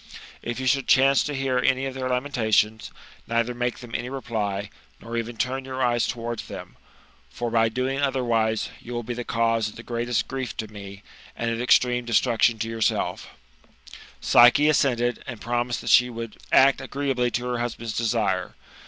If you ' should chance to hear any of their lamentations, neither make them any reply lior even turn your eyes towards them ; for, by doing otherwise, you will be the cause of the greatest grief to me, and of extreme destruction to yourself." Psyche assented, and promised that she would act agreeably to her husband's desire.